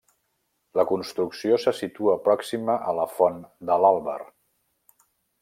La construcció se situa pròxima a la font de l'Àlber.